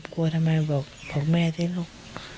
กลัวทำไมบอกแม่สิลูก